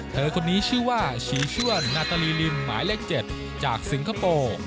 เธอคนนี้ชื่อว่าชีชวนนาตาลีลินหมายเลข๗จากสิงคโปร์